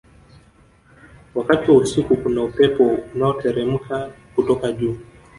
wakati wa usiku kuna upepo unaoteremka kutoka juu